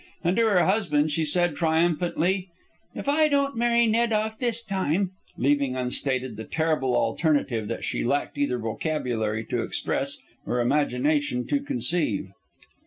And to her husband she said triumphantly, "If I don't marry Ned off this time " leaving unstated the terrible alternative that she lacked either vocabulary to express or imagination to conceive.